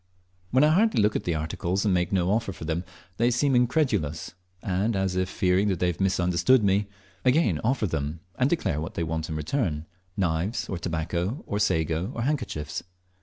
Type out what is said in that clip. When I hardly look at the articles, and make no offer for them, they seem incredulous, and, as if fearing they have misunderstood me, again offer them, and declare what they want in return knives, or tobacco, or sago, or handkerchiefs.